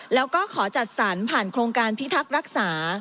แล้วก็ขอจัดสรรผ่านโครงการพิทักษ์รักษา